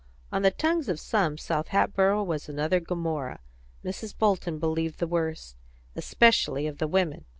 On the tongues of some, South Hatboro' was another Gomorrah; Mrs. Bolton believed the worst, especially of the women.